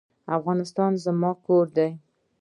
افغانستان زما کور دی؟